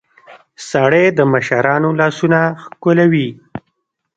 سړى د مشرانو لاسونه ښکلوي.